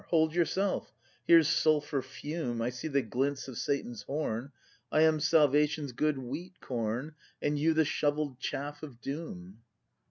Hold, yourself! Here's sulphur fume, I see the glints of Satan's horn! I am Salvation's good wheat corn. And vou the shovell'd chaff of Doom.